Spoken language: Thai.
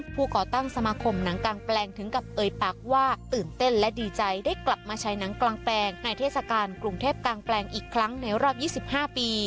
ก่อตั้งสมาคมหนังกางแปลงถึงกับเอ่ยปากว่าตื่นเต้นและดีใจได้กลับมาใช้หนังกลางแปลงในเทศกาลกรุงเทพกลางแปลงอีกครั้งในรอบ๒๕ปี